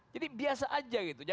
jadi biasa aja gitu